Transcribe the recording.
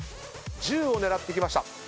１０を狙ってきました。